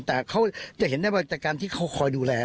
แต่เขาจะเห็นได้ว่าจากการที่เขาคอยดูแล